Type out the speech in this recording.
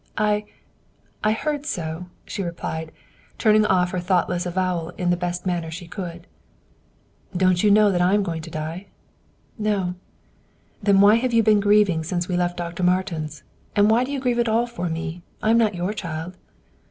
"I I heard so," she replied, turning off her thoughtless avowal in the best manner she could. "Don't you know that I am going to die?" "No." "Then why have you been grieving since we left Dr. Martin's? And why do you grieve at all for me? I am not your child."